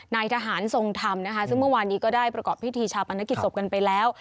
นายทหารทรงธรรมนะคะซึ่งเมื่อวานนี้ก็ได้ประกอบพิธีชาปนกิจศพกันไปแล้ว